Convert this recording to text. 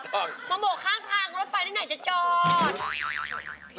มาบอกข้างรถไฟด้วยไหนจะจอด